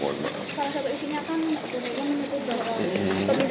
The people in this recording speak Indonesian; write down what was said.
jadulnya itu bahwa pemilu dua ribu dua puluh empat ini dihukum oleh psm